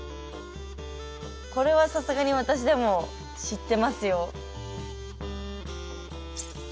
これはさすがに私でも知ってますよ。